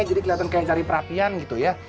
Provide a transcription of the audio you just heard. jadi keliatan kayak cari perhatian gitu ya